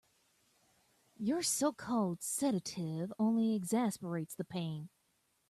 Your so-called sedative only exacerbates the pain.